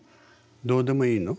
どうでもいいの？